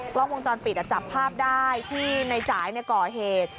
กล้องวงจรปิดจับภาพได้ที่ในจ่ายก่อเหตุ